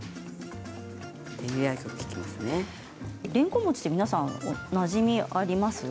れんこん餅は皆さん、なじみはありますか？